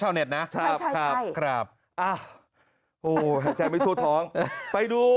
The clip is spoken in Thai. เน็ตนะครับครับอ่ะโอ้หายใจไม่ทั่วท้องไปดู